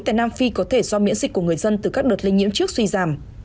tại nam phi có thể do miễn dịch của người dân từ các đợt lây nhiễm trước suy giảm